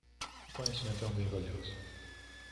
O conhecimento é um bem valioso